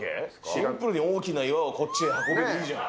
シンプルに大きな岩をこっちへ運ぶでいいじゃん。